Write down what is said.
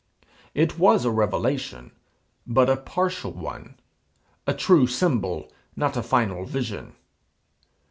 It was a revelation, but a partial one; a true symbol, not a final vision.